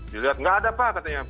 dilihat nggak ada pak katanya